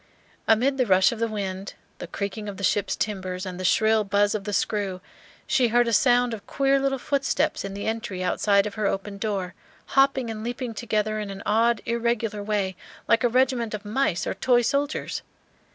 Amid the rush of the wind, the creaking of the ship's timbers, and the shrill buzz of the screw, she heard a sound of queer little footsteps in the entry outside of her open door, hopping and leaping together in an odd irregular way, like a regiment of mice or toy soldiers.